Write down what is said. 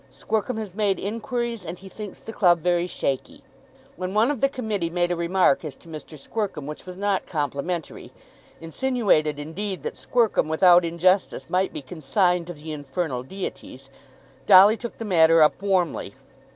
Squercum has made inquiries and he thinks the club very shaky." When one of the Committee made a remark as to Mr. Squercum which was not complimentary, insinuated indeed that Squercum without injustice might be consigned to the infernal deities, Dolly took the matter up warmly.